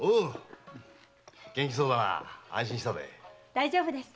大丈夫です。